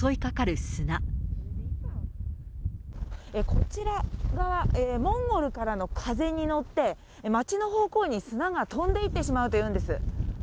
こちら側、モンゴルからの風に乗って、町の方向に砂が飛んでいってしまうというんです。